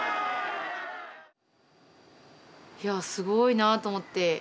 いやすごいなと思って。